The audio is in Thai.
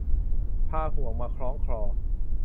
หาห่วงมาคล้องคอ